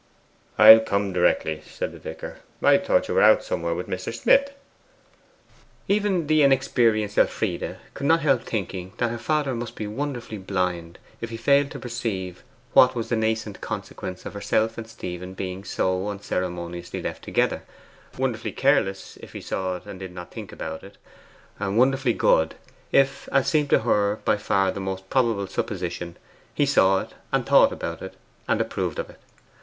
'I'll come directly,' said the vicar. 'I thought you were out somewhere with Mr. Smith.' Even the inexperienced Elfride could not help thinking that her father must be wonderfully blind if he failed to perceive what was the nascent consequence of herself and Stephen being so unceremoniously left together; wonderfully careless, if he saw it and did not think about it; wonderfully good, if, as seemed to her by far the most probable supposition, he saw it and thought about it and approved of it.